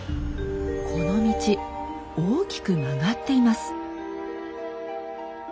この道大きく曲がっています。